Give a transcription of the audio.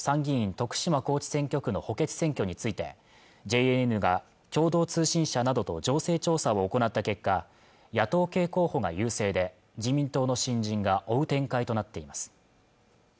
徳島高知選挙区の補欠選挙についてＪＮＮが共同通信社などと情勢調査を行った結果野党系候補が優勢で自民党の新人が追う展開となっています